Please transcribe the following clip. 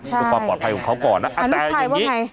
ใช่ด้วยความปลอดภัยของเขาก่อนนะแต่อย่างงี้ลูกชายว่าไง